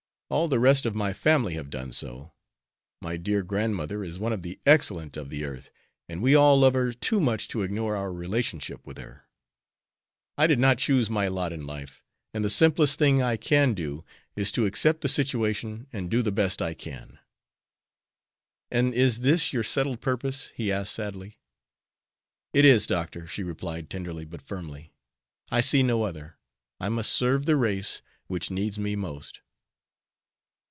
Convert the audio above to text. All the rest of my family have done so. My dear grandmother is one of the excellent of the earth, and we all love her too much to ignore our relationship with her. I did not choose my lot in life, and the simplest thing I can do is to accept the situation and do the best I can." "And is this your settled purpose?" he asked, sadly. "It is, Doctor," she replied, tenderly but firmly. "I see no other. I must serve the race which needs me most."